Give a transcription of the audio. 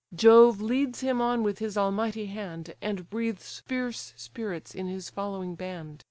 Jove leads him on with his almighty hand, And breathes fierce spirits in his following band.